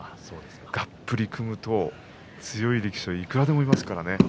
がっぷり組むと強い力士はいくらでもいますからね。